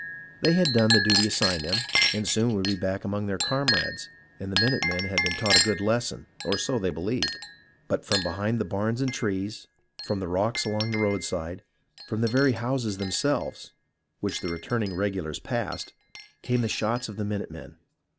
They had done the duty assigned them, and soon would be back among their comrades, and the minute men had been taught a good lesson, or so they believed. But from behind the barns and trees, from the rocks along the roadside, from the very houses themselves, which the returning regulars passed, came the shots of the minute men.